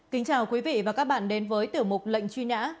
kính chào quý vị và các bạn đến với tiểu mục lệnh truy nã